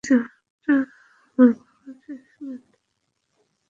ঠিক যেমনটা আমার বাবা চেয়েছিলেন।